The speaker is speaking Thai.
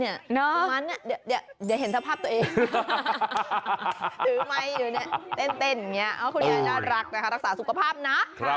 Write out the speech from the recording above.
คุณย้ายน่ารักนะคะรักษาสุขภาพนะ